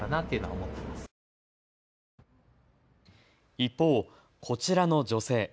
一方、こちらの女性。